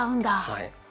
はい。